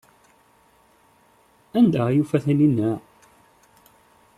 Anda ay yufa Taninna?